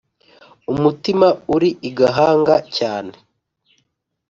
umutima uri i gahanga cyane